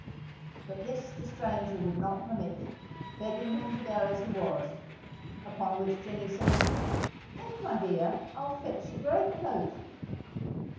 But this the stranger would not permit, begging him to go as he was, upon which Jenny said, _Then, my dear, I'll fetch your great coat.